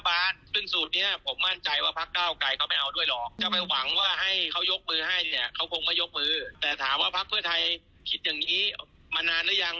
แต่ถามว่าภักดิ์เพื่อไทยคิดอย่างนี้มานานหรือยัง